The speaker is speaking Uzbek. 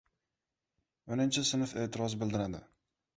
Uninchi sinf e’tiroz bildiradi: